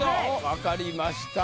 分かりました。